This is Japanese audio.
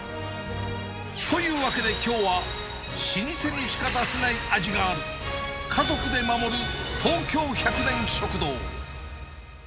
というわけで、きょうは老舗にしか出せない味がある、家族で守る東京１００年食堂。